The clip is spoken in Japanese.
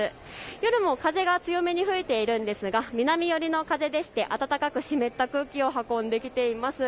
夜も風が強めに吹いているんですが南寄りの風でして暖かく湿った空気を運んできています。